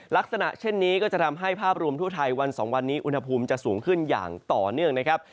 ลักษณะเช่นนี้ก็จะทำให้ภาพรวมทั่วไทยวัน๒วันนี้อุณหภูมิจะสูงขึ้นอย่างต่อเนื่องนะครับ